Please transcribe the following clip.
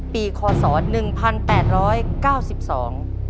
ปีคอสอหนึ่งพันแปดร้อยเก้าสิบสอง